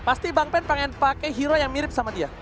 pasti bang pen pengen pakai hero yang mirip sama dia